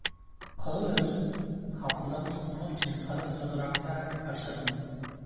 Ağır ağır, hafızamı toplamak için ara sıra duraklayarak, başladım.